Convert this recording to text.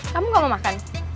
kamu gak mau makan